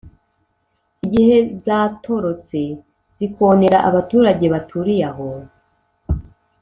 igihe zatorotse zikonera abaturage baturiye aho.